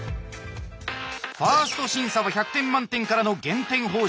１ｓｔ審査は１００点満点からの減点方式。